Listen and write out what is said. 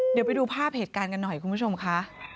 เดี๋ยวไปดูภาพเหตุการณ์กันหน่อยคุณผู้ชมค่ะ